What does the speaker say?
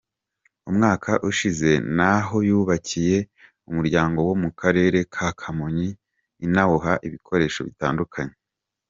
Umwaka ushize na ho yubakiye umuryango wo mu Karere ka Kamonyi inawuha ibikoresho bitandukanye.